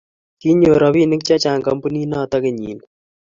Kinyor robinik chechang kampunit noto kenyini